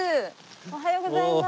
おはようございます。